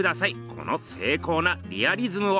この精巧なリアリズムを！